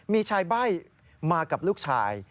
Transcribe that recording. มีชายใบ้มากับลูกชาย